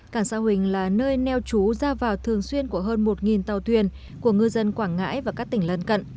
cảng sa huỳnh là nơi neo trú ra vào thường xuyên của hơn một tàu thuyền của ngư dân quảng ngãi và các tỉnh lân cận